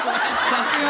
さすが！